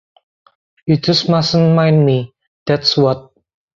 You just mustn’t mind me, that’s what.